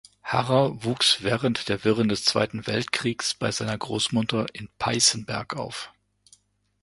Harrer wuchs während der Wirren des Zweiten Weltkriegs bei seiner Großmutter in Peißenberg auf.